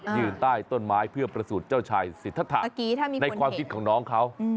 ยืนใต้ต้นไม้เพื่อประสูจน์เจ้าชายสิทธาในความคิดของน้องเขา